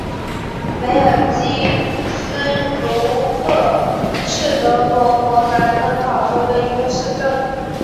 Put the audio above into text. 梅尔基施卢赫是德国勃兰登堡州的一个市镇。